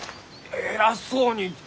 偉そうに。